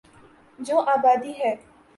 جو آبادی ہے۔